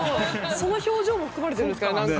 その表情も含まれてるんですかねなんか。